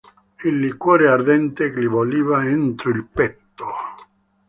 Il liquore ardente gli bolliva entro il petto.